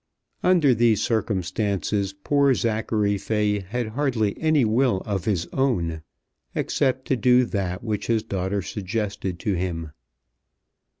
Under these circumstances poor Zachary Fay had hardly any will of his own, except to do that which his daughter suggested to him.